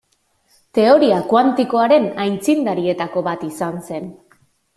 Teoria kuantikoaren aitzindarietako bat izan zen.